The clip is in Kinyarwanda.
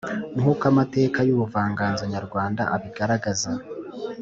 Nkuko amateka y’ubuvanganzo nyarwanda abigaragaza